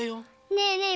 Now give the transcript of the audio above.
ねえねえ